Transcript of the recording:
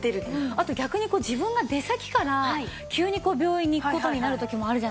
あと逆に自分が出先から急に病院に行く事になる時もあるじゃないですか。